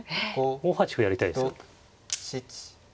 ５八歩やりたいですよ。